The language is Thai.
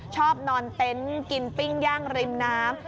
ชอบนอนเต็นต์กินปิ้งย่างริมน้ำ